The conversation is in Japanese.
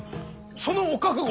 そのお覚悟